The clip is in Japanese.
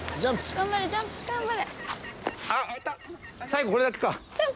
最後これだけか。